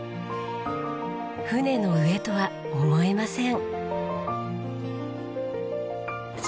船の上とは思えません。